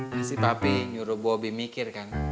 masih papi nyuruh bobi mikir kan